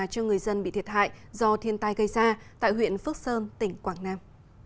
cho người dân bị thiệt hại do thiên tai gây ra tại huyện phước sơn tỉnh quảng nam